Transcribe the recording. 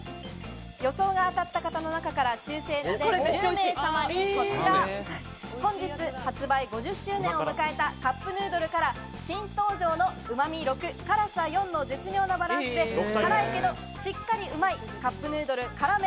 予想が当たった方の中から抽選で１０名様にこちら、本日発売５０周年を迎えたカップヌードルから新登場の旨み６、辛さ４の絶妙なバランスで辛いけどしっかりうまい「カップヌードル辛麺」